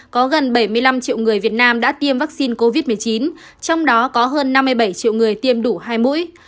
có gần bảy mươi năm triệu người việt nam đã tiêm vaccine covid một mươi chín trong đó có hơn năm mươi bảy triệu người tiêm đủ hai mũi